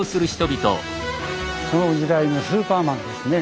その時代のスーパーマンですね。